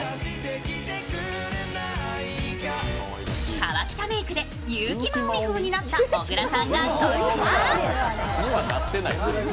河北メークで優木まおみ風になった小倉さんがこちら。